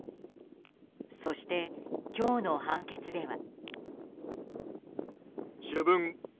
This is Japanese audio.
そして今日の判決では。